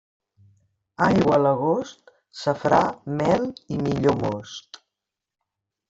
Aigua a l'agost, safrà, mel i millor most.